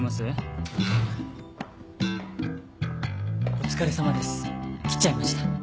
・お疲れさまです。来ちゃいました